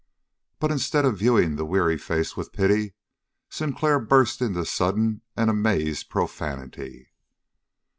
But instead of viewing the weary face with pity, Sinclair burst into sudden and amazed profanity.